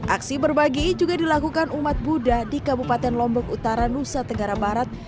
aksi berbagi juga dilakukan umat buddha di kabupaten lombok utara nusa tenggara barat